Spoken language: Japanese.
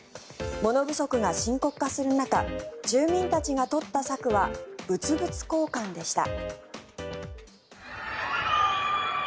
物不足が深刻化する中住民たちが取った策は物々交換でした。